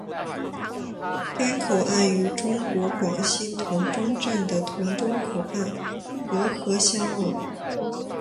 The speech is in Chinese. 该口岸与中国广西峒中镇的峒中口岸隔河相望。